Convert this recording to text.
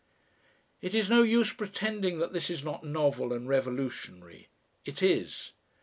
It is no use pretending that this is not novel and revolutionary; it is.